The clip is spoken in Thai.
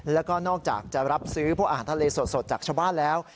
แล้วก็นอกจากจะรับซื้อพวกอาหารทะเลสดจากชาวบ้านแล้ว